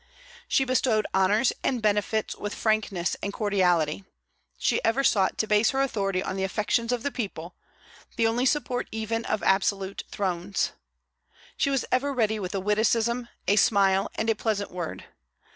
She bestowed honors and benefits with frankness and cordiality. She ever sought to base her authority on the affections of the people, the only support even of absolute thrones. She was ever ready with a witticism, a smile, and a pleasant word.